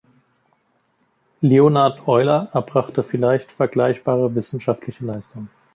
Leonhard Euler erbrachte vielleicht vergleichbare wissenschaftliche Leistungen.